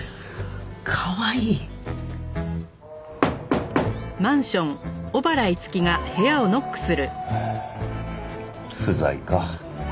かわいい？はあ不在か。